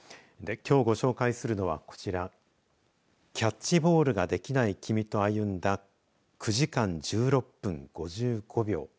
きょうご紹介するのはこちらキャッチボールができない君と歩んだ９時間１６分５５秒。